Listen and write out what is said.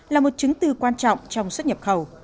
là một chứng từ quan trọng trong xuất nhập khẩu